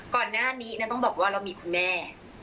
ก่อนหน้านี้นะต้องบอกว่าเรามีคุณแม่